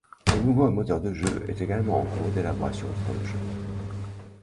Un nouveau moteur de jeu est également en cours d'élaboration pour le jeu.